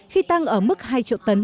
khi tăng ở mức hai triệu tấn